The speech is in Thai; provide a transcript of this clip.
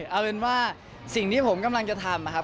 เอาเป็นว่าสิ่งที่ผมกำลังจะทำนะครับ